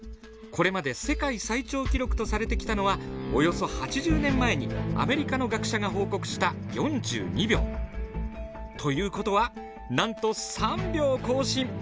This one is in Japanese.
これまで世界最長記録とされてきたのはおよそ８０年前にアメリカの学者が報告した４２秒。ということはなんと３秒更新！